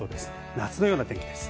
夏のような天気です。